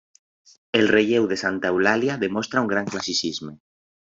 El relleu de santa Eulàlia, demostra un gran classicisme.